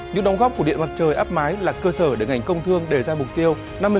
những đóng góp của điện mặt trời áp mái là cơ sở để ngành công thương đề ra mục tiêu